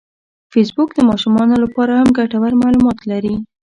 فېسبوک د ماشومانو لپاره هم ګټور معلومات لري